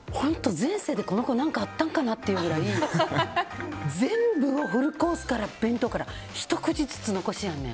前世でこの子何かあったのかなというぐらい全部を、フルコースから弁当からひと口ずつ残すねん。